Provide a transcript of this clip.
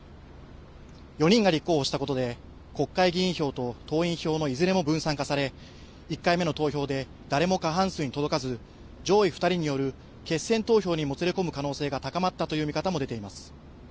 ４人が立候補したことで国会議員票と党員票のいずれも分散化され１回目の投票で誰も過半数に届かず上位２人による決選投票にもつれ込む可能性が高まったという見方も出ています。